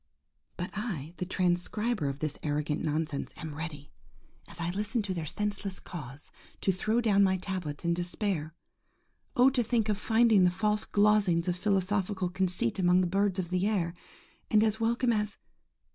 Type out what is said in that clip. –But I–the transcriber of this arrogant nonsense–am ready, as I listen to their senseless caws, to throw down my tablets in despair. Oh! to think of finding the false glozings of philosophical conceit among the birds of the air, and as welcome as